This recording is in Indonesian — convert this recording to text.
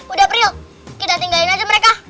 udah priok kita tinggalin aja mereka